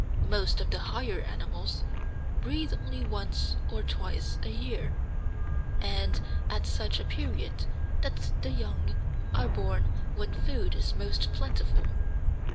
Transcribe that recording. Most of the higher animals breed only once or twice a year, and at such a period that the young are born when food is most plentiful.